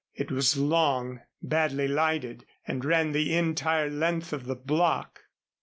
It was long, badly lighted and ran the entire length of the block.